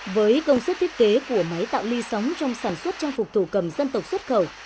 với công suất thiết kế của máy tạo ly sóng trong sản xuất trang phục thổ cầm dân tộc xuất khẩu